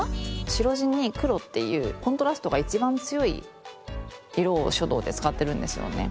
白地に黒っていうコントラストが一番強い色を書道で使ってるんですよね。